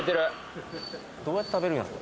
どうやって食べるんやろ？